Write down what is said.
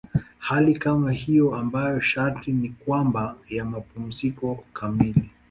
Hali kama hiyo ambayo sharti ni kwamba ya mapumziko kamili.